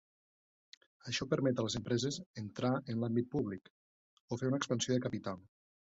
Això permet a les empreses entrar en l'àmbit públic o fer una expansió de capital.